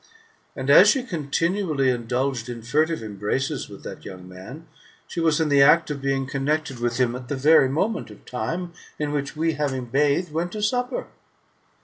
And, as she continually indulged in furtive embraces with that young man, she was in the act of being connected with him at the very moment of time, in which we, having bathed, went to supper.